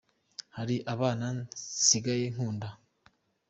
Hari abana nsigaye nkunda.